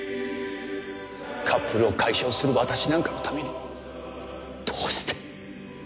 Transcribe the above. カップルを解消する私なんかのためにどうして。